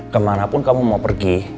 kemanapun kamu mau pergi